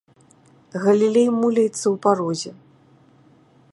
Галілей муляецца ў парозе.